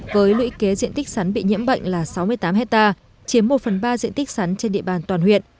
với lũy kế diện tích sắn bị nhiễm bệnh là sáu mươi tám hectare chiếm một phần ba diện tích sắn trên địa bàn toàn huyện